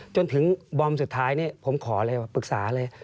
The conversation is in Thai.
จนถึงบอมสุดท้ายผมขออะไรปรึกษาอะไร